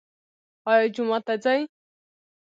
ایا جومات ته ځئ؟